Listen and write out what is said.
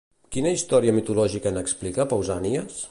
Quina història mitològica n'explica Pausànias?